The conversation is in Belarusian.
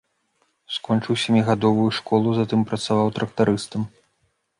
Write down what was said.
Скончыў сямігадовую школу, затым працаваў трактарыстам.